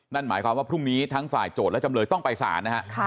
นั่นหมายความว่าพรุ่งนี้ทั้งฝ่ายโจทย์และจำเลยต้องไปสารนะฮะ